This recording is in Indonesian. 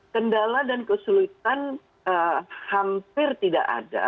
kendala dan kesulitan hampir tidak ada